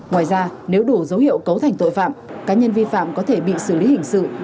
ngoài ra nếu đủ dấu hiệu cấu thành tội phạm cá nhân vi phạm có thể bị xử lý hình sự